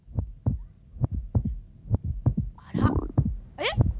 えっ？